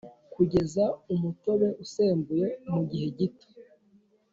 kugeza umutobe usembuye mugihe gito,